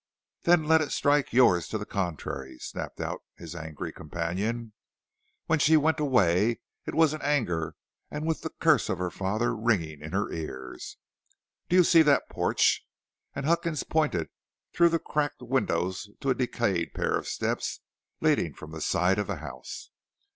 "Then let it strike yours to the contrary," snapped out his angry companion. "When she went away it was in anger and with the curse of her father ringing in her ears. Do you see that porch?" And Huckins pointed through the cracked windows to a decayed pair of steps leading from the side of the house.